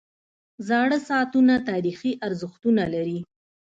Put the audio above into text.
• زاړه ساعتونه تاریخي ارزښت لري.